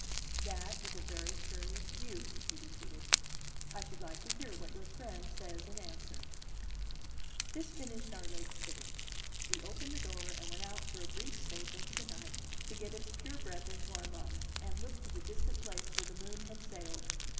"That is a very curious view," he repeated. "I should like to hear what your friend says in answer." This finished our late sitting. We opened the door and went out for a brief space into the night to get its pure breath into our lungs, and look to the distant place where the moon had sailed.